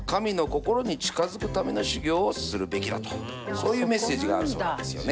そういうメッセージがあるそうなんですよね。